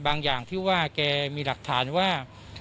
อย่างที่ว่าแกมีหลักฐานว่า